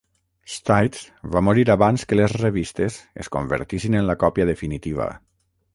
Stites va morir abans que les revistes es convertissin en la còpia definitiva.